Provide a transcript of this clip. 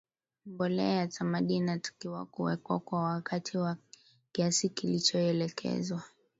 mbolea ya samadi inatakiwa kuwekwa kwa wakati na kiasi kilichoelekezwa